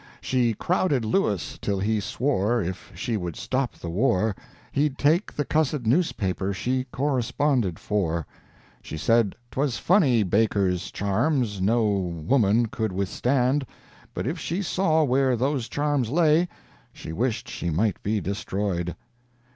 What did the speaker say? "She crowded Lewis till he swore If she would stop the war, He'd take the cussed newspaper She corresponded for. "She said 'twas funny Baker's charms No woman could withstand, But if she saw where those charms lay, She wished she might be destroyed."